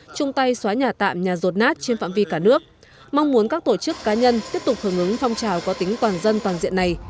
chung tay xóa nhà tạm nhà rột nát trên phạm vi cả nước mong muốn các tổ chức cá nhân tiếp tục hưởng ứng phong trào có tính toàn dân toàn diện này